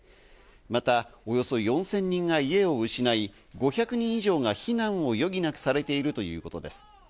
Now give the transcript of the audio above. また、およそ４０００人が家を失い、５００人以上が避難を余儀なくされているということです。